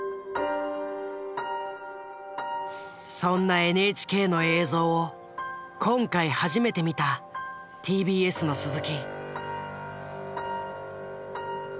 そんなＮＨＫの映像を今回初めて見たＴＢＳの鈴木。